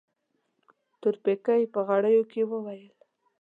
تورپيکۍ په غريو کې وويل.